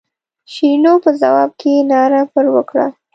شیرینو په ځواب کې ناره پر وکړه.